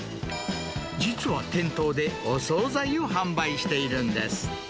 実は店頭でお総菜を販売しているんです。